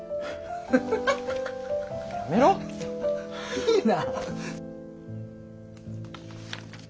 いいな。